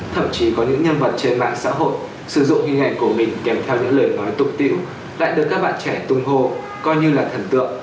thậm chí có những nhân vật trên mạng xã hội sử dụng hình ảnh của mình kèm theo những lời nói tục tiễu lại được các bạn trẻ tung hô coi như là thần tượng